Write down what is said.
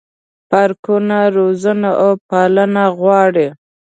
پارکونه روزنه او پالنه غواړي.